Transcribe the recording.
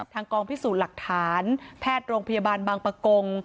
ทางกองพิสูจน์หลักฐานแพทย์โรงพยาบาลบางประกง